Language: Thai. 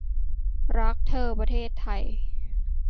รักเธอประเทศไทย